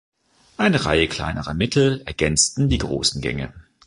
Eine Reihe kleinerer Mittel ergänzten die großen Gänge.